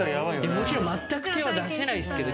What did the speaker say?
もちろんまったく手は出せないですけど。